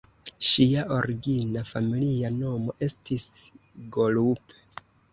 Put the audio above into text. Ŝia origina familia nomo estis "Gorup".